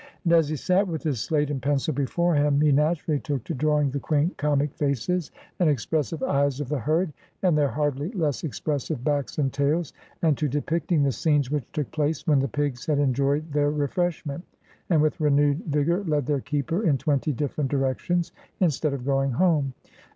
And, as he sat with his slate and pencil before him, he naturally took to drawing the quaint comic faces and expressive eyes of the herd, and their hardly less expressive backs and tails; and to depicting the scenes which took place when the pigs had enjoyed their refreshment, and with renewed vigor led their keeper in twenty different directions, instead of going home.